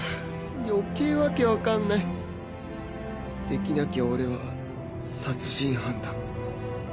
余計わけわかんないできなきゃ俺は殺人犯だ